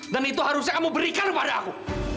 itu harusnya kamu berikan kepada aku